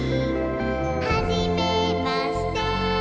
「はじめまして